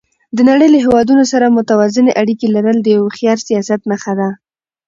د نړۍ له هېوادونو سره متوازنې اړیکې لرل د یو هوښیار سیاست نښه ده.